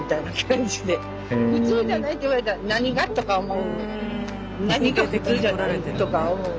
「普通じゃない」って言われたら「何が？」とか思う。とか思う。